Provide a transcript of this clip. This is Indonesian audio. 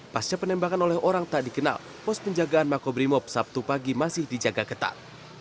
pasca penembakan oleh orang tak dikenal pos penjagaan makobrimob sabtu pagi masih dijaga ketat